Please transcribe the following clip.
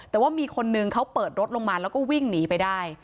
แต่ว่ามีคนนึงเขาเปิดรถลงมาแล้วก็วิ่งหนีไปได้